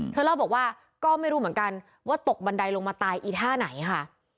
เธอเล่าบอกว่าก็ไม่รู้เหมือนกันว่าตกบันไดลงมาตายอีท่าไหนค่ะ